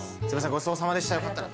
ごちそうさまでしたよかったら。